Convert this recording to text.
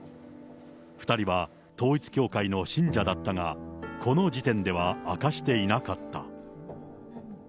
２人は統一教会の信者だったが、この時点では明かしていなかった。